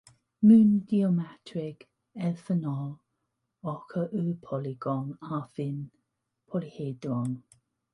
Mewn geometreg elfennol, ochr yw polygon ar ffin polyhedron.